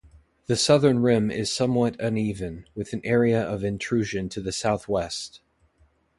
The southern rim is somewhat uneven, with an area of intrusion to the southwest.